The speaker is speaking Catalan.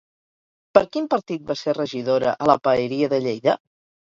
Per quin partit va ser regidora a la Paeria de Lleida?